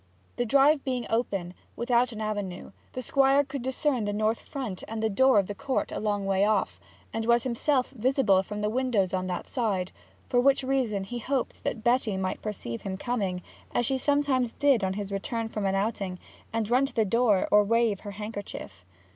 The drive being open, without an avenue, the Squire could discern the north front and door of the Court a long way off, and was himself visible from the windows on that side; for which reason he hoped that Betty might perceive him coming, as she sometimes did on his return from an outing, and run to the door or wave her handkerchief.